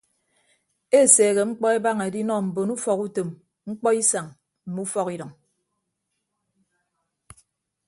Eseehe mkpọ ebaña edinọ mbon ufọkutom mkpọisañ mme ufọkidʌñ.